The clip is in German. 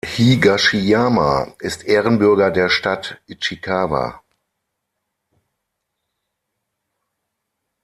Higashiyama ist Ehrenbürger der Stadt Ichikawa.